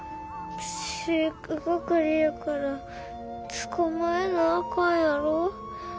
飼育係やから捕まえなあかんやろ。